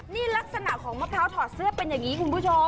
นี่ลักษณะของมะพร้าวถอดเสื้อเป็นอย่างนี้คุณผู้ชม